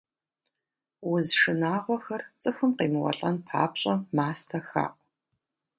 Уз шынагъуэхэр цӀыхум къемыуэлӀэн папщӀэ, мастэ хаӏу.